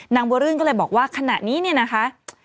บัวรื่นก็เลยบอกว่าขณะนี้เนี่ยนะคะ